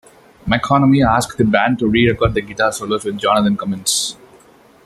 McConomy asked the band to re-record the guitar solos with Jonathan Cummins.